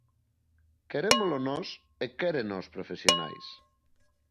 Querémolo nós e quéreno os profesionais.